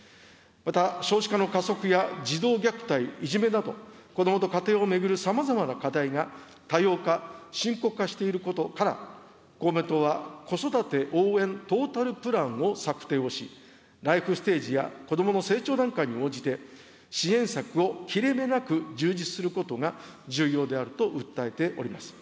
また、少子化の加速や児童虐待、いじめなど、子どもと家庭を巡るさまざまな課題が、多様化、深刻化していることから、公明党は、子育て応援トータルプランを策定をし、ライフステージや子どもの成長段階に応じて、支援策を切れ目なく充実することが重要であると訴えております。